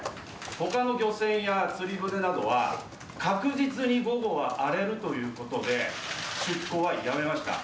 他の漁船や釣り船などは確実に午後は荒れるということで出航はやめました。